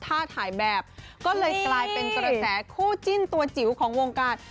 ถ้าถ่ายแบบก็เลยกลายเป็นกระแสคู่จิ้นตัวจิ๋วของวงการ